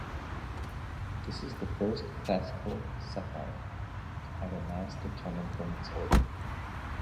This is the first classical Cepheid to have a mass determined from its orbit.